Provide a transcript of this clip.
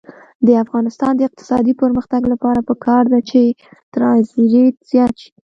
د افغانستان د اقتصادي پرمختګ لپاره پکار ده چې ترانزیت زیات شي.